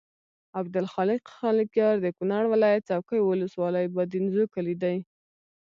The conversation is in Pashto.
عبدالخالق خالقیار د کونړ ولایت څوکۍ ولسوالۍ بادینزو کلي دی.